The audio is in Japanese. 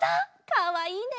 かわいいね。